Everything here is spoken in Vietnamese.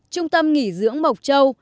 trung tâm nghỉ dưỡng mộc châu